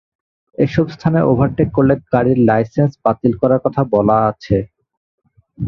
এসব স্থানে ওভারটেক করলে ড্রাইভিং লাইসেন্স বাতিল করার কথা বলা আছে।